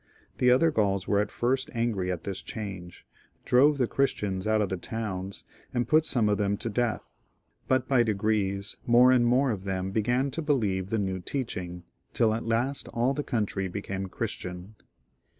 The otl^er Gauls were at first angry at this change, drove the Christians out of the towns, and put some of them to death; but by degrees more and more of them began to believe the new teaching, till at last aU the country be came Chmtian.